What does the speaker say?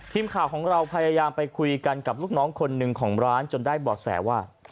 ทีมข่าวของเราพยายามไปคุยกันกับลูกน้องคนหนึ่งของร้านจนได้บ่อแสว่า